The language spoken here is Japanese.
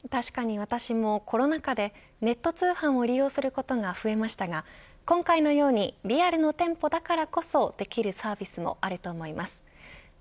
確かに私も、コロナ禍でネット通販を利用することが増えましたが今回のようにリアルの店舗だからこそできるサービスもあると思います。